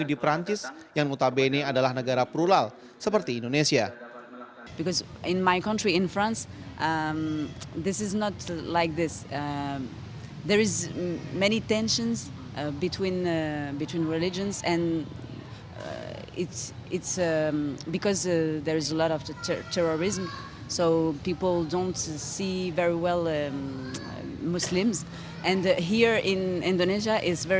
tapi di perancis yang mutabene adalah negara perulal seperti indonesia